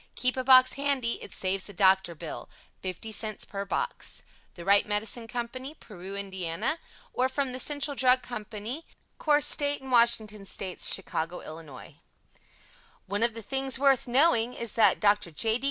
Keep a box handy, it saves the doctor bill. 50 cents per box. The Wright Medicine Co. PERU, INDIANA or from The Central Drug Co. Cor. State & Washington Sts., CHICAGO, ILL. ONE OF THE "THINGS WORTH KNOWING" IS THAT Dr. J. D.